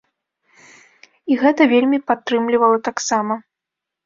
І гэта вельмі падтрымлівала таксама.